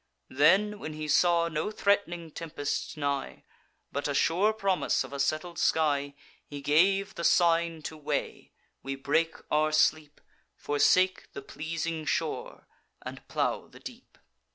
Then, when he saw no threat'ning tempest nigh, But a sure promise of a settled sky, He gave the sign to weigh; we break our sleep, Forsake the pleasing shore, and plow the deep.